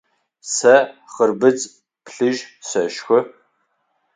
Сэ хъырбыдз плъыжь сэшхы.